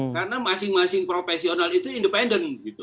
karena masing masing profesional itu independen